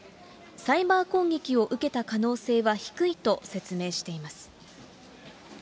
サイバー攻撃を受けた可能性は低いと説明しています。